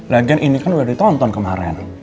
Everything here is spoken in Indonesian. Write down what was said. lagian ini kan udah ditonton kemarin